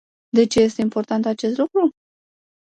De ce este important acest lucru?